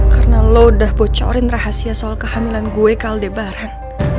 karena lo udah bocorin rahasia soal kehamilan gue ke aldebaran